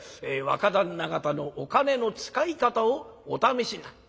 「若旦那方のお金の使い方をお試しになる」。